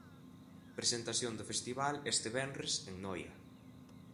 Presentación do festival, este venres, en Noia.